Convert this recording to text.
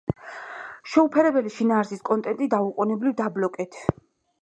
შეუფერებელი შინაარსის კონტენტი დაუყონებლივ დაბლოკეთ.